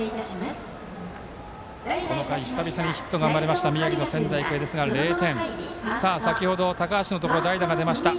この回、久々にヒットが生まれた仙台育英ですが０点先ほど高橋のところ代打が出ました。